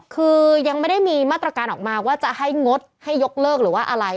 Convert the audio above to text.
คือยังไม่ได้มีมาตรการออกมาว่าจะให้งดให้ยกเลิกหรือว่าอะไร